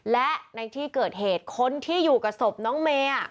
และในที่เกิดเหตุคนที่อยู่กับศพน้องเมย์